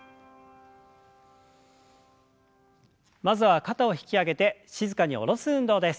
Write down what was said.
まずは肩を引き上げて静かに下ろす運動です。